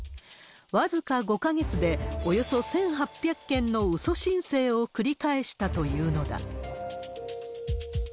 僅か５か月でおよそ１８００件のうそ申請を繰り返したというのだ。